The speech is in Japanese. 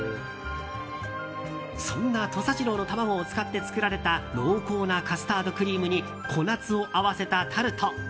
そんな土佐ジローの卵を使って作られた濃厚なカスタードクリームに小夏を合わせたタルト。